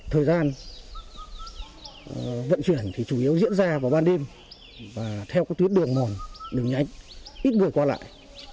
thời gian vận chuyển thì chủ yếu diễn ra vào ban đêm và theo tuyến đường mòn đường nhanh ít người qua lại